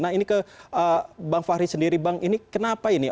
nah ini ke bang fahri sendiri bang ini kenapa ini